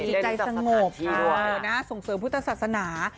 จิตใจสงบส่งเสริมพุทธศาสนา